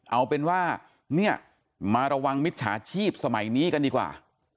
เอาเป็นว่าเนี่ยมาระวังมิจฉาชีพสมัยนี้กันดีกว่า